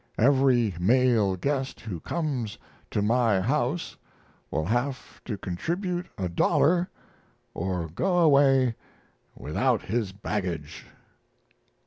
Every male guest who comes to my house will have to contribute a dollar or go away without his baggage.